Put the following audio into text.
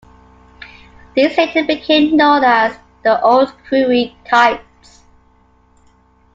These later became known as the "Old Crewe" types.